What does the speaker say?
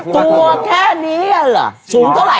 ตัวแค่นี้ล่ะสูงเท่าไห